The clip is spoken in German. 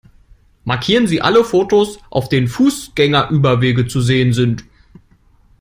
Markieren Sie alle Fotos, auf denen Fußgängerüberwege zu sehen sind!